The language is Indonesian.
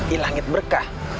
ini langit berkah